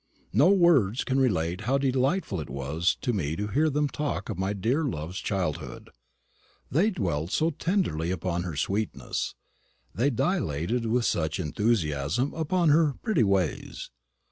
No words can relate how delightful it was to me to hear them talk of my dear love's childhood; they dwelt so tenderly upon her sweetness, they dilated with such enthusiasm upon her "pretty ways."